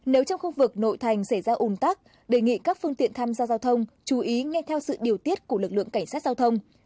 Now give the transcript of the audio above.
nếu trong khu vực nội thành xảy ra ủn tắc đề nghị các phương tiện tham gia giao thông chú ý nghe theo sự điều tiết của lực lượng cảnh sát giao thông